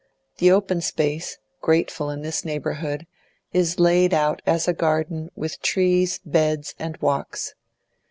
The open space, grateful in this neighbourhood, is laid out as a garden, with trees, beds, and walks.